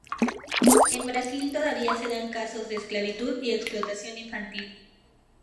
En Brasil todavía se dan casos de esclavitud y explotación infantil.